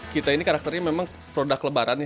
kita ini karakternya memang produk lebaran ya